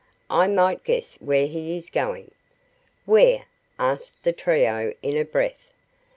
"I might guess where he is going." "Where?" asked the trio in a breath.